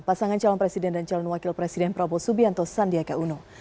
pasangan calon presiden dan calon wakil presiden prabowo subianto sandiaga uno